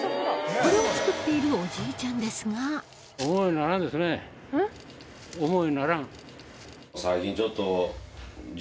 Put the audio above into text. これを作っているおじいちゃんですがヤバいヤバい。